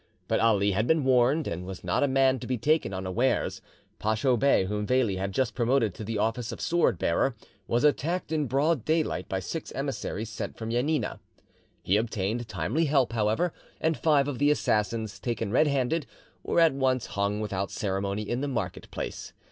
But Ali had been warned, and was not a man to be taken unawares. Pacho Bey, whom Veli had just promoted to the office of sword bearer, was attacked in broad daylight by six emissaries sent from Janina. He obtained timely help, however, and five of the assassins, taken red handed, were at once hung without ceremony in the market place.